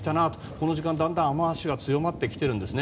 この時間だんだん雨脚が強まってきているんです。